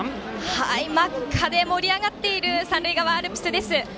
真っ赤で盛り上がっている三塁側アルプスです。